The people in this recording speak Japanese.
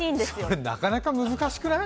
それ、なかなか難しくない？